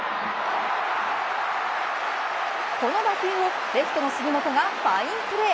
この打球をレフトの杉本がファインプレー。